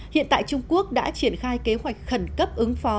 hiện tại trung quốc đã triển khai kế hoạch khẩn cấp ứng phó